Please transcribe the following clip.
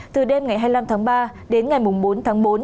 từ đêm ngày hai mươi năm tháng ba đến ngày bốn tháng bốn